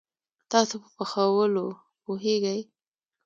تاسو په پخولوو پوهیږئ؟